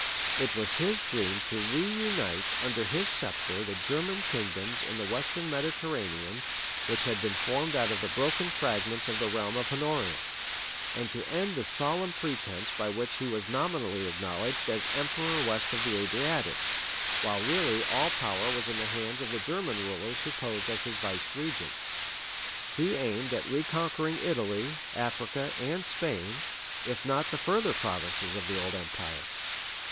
It was his dream to re unite under his sceptre the German kingdoms in the Western Mediterranean which had been formed out of the broken fragments of the realm of Honorius; and to end the solemn pretence by which he was nominally acknowledged as Emperor West of the Adriatic, while really all power was in the hands of the German rulers who posed as his vicegerents. He aimed at reconquering Italy, Africa, and Spain—if not the further provinces of the old empire.